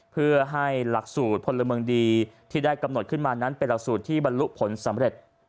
เพื่อให้หลักสูตรพลเมืองดีที่ได้กำหนดขึ้นมานั้นเป็นหลักสูตรที่บรรลุผลสำเร็จ